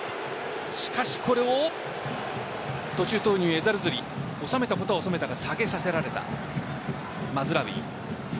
しかしこれを途中投入・エザルズリ収めたことは収めたが下げさせられた。